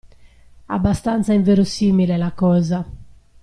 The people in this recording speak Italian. Abbastanza inverosimile la cosa.